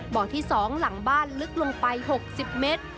บ่อที่๒หลังบ้านลึกลงไป๖๐เมตร